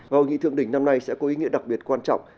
và hội nghị thượng đỉnh năm nay sẽ có ý nghĩa đặc biệt quan trọng